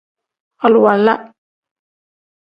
Aluwala.